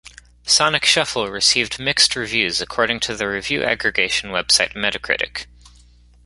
"Sonic Shuffle" received "mixed" reviews according to the review aggregation website Metacritic.